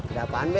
ada apaan be